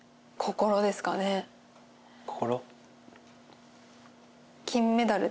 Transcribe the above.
心。